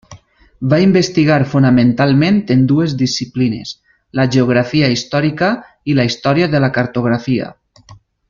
Va investigar fonamentalment en dues disciplines, la Geografia Històrica i la Història de la Cartografia.